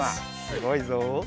すごいぞ。